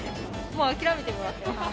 もう諦めてもらってます。